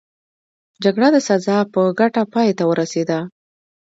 جګړه د سزار په ګټه پای ته ورسېده.